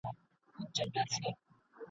زه مي د خیال په جنازه کي مرمه ..